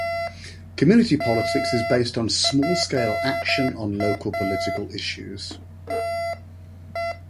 Community politics is based on small-scale action on local political issues.